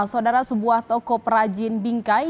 saudara sebuah toko perajin bingkai